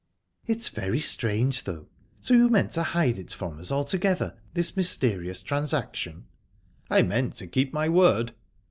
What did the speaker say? "It's very strange, though. So you meant to hide it from us altogether, this mysterious transaction?" "I meant to keep my word."